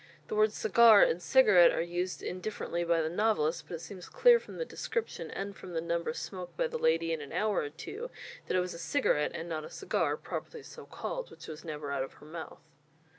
The words "cigar" and "cigarette" are used indifferently by the novelist, but it seems clear from the description and from the number smoked by the lady in an hour or two, that it was a cigarette and not a cigar, properly so called, which was never out of her mouth.